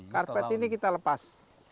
karpet ini kita lepas